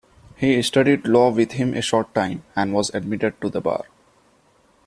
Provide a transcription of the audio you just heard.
He studied law with him a short time and was admitted to the bar.